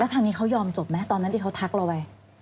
ทางนี้เขายอมจบไหมตอนนั้นที่เขาทักเราไว้